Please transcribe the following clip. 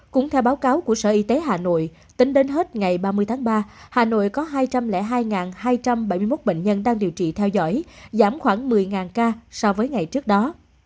cũng theo báo cáo của sở y tế hà nội tính đến hết ngày ba mươi tháng ba hà nội có hai trăm linh hai hai trăm bảy mươi một bệnh nhân đang điều trị theo dõi giảm khoảng một mươi ca so với ngày trước đó